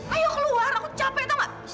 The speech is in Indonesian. ayo keluar aku capek tau gak